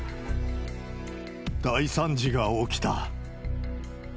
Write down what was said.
大惨事が起きた。